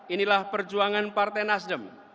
inilah perjuangan partai nasdem